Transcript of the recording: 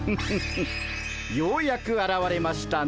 ようやくあらわれましたね